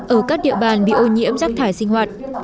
ở các địa bàn bị ô nhiễm rác thải sinh hoạt